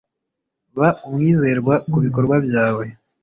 ba umwizerwa kubikorwa byawe